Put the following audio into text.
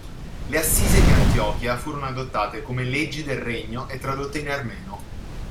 Le assise di Antiochia furono adottate come leggi del regno e tradotte in armeno.